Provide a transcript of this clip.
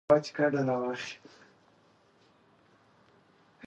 هېڅکله ناهيلي کېږئ مه.